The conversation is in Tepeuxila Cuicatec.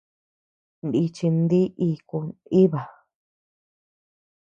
Nichin dí iku nʼiba.